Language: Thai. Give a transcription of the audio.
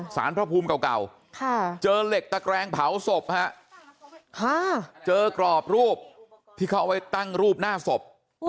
สารพระภูมิเก่าเจอเหล็กตะแกรงเผาศพเจอกรอบรูปที่เขาเอาไว้ตั้งรูปหน้าศพ